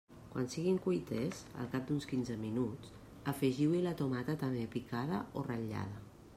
Quan siguin cuites, al cap d'uns quinze minuts, afegiu-hi la tomata també picada o ratllada.